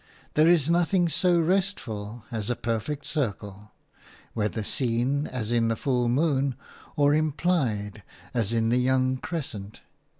There is nothing so restful as a perfect circle, whether seen, as in the full moon, or implied, as in the young crescent.